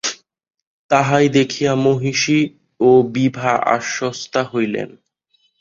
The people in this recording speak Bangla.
তাহাই দেখিয়া মহিষী ও বিভা আশ্বস্তা হইলেন।